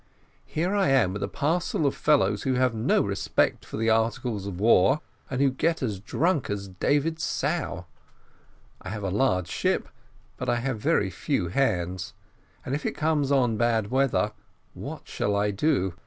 Here I am with a parcel of fellows who have no respect for the articles of war, and who get as drunk as David's sow. I have a large ship, but I have very few hands; and if it comes on bad weather, what shall I do?